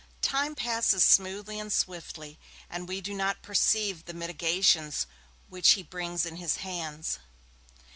Time passes smoothly and swiftly, and we do not perceive the mitigations which he brings in his hands.